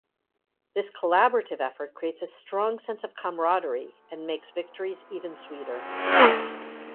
This collaborative effort creates a strong sense of camaraderie and makes victories even sweeter.